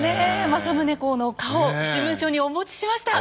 政宗公の顔事務所にお持ちしました。